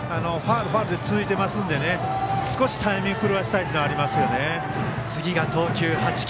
ファウルが続いていますので少しタイミングを狂わせたいというのがありますよね。